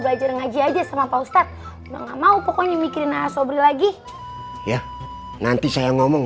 belajar ngaji aja sama pak ustadz enggak mau pokoknya mikirin sobri lagi ya nanti saya ngomong